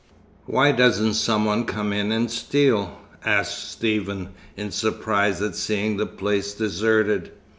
"Why doesn't some one come in and steal?" asked Stephen, in surprise at seeing the place deserted.